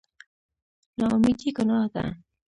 نااميدي ګناه ده